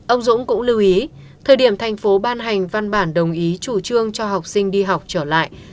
ông dũng cũng lưu ý thời điểm thành phố ban hành văn bản đồng ý chủ trương cho học sinh đi học trở lại